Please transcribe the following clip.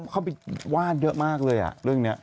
เข้าไปวาดเยอะมากเลยเรื่องนี้